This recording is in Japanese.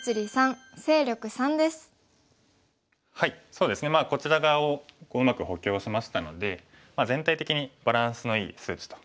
そうですねこちら側をうまく補強しましたので全体的にバランスのいい数値と。